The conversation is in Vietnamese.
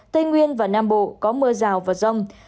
tây nguyên và nam bộ có mưa rào và rông